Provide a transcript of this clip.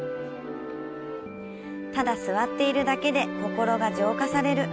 ただ座っているだけで心が浄化される。